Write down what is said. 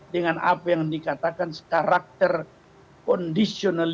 dengan apa yang dikatakan karakter kondisional